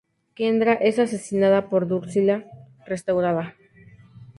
Kendra es asesinada por una Drusilla restaurada.